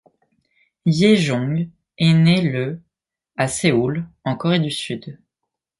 Hyejeong est née le à Séoul en Corée du Sud.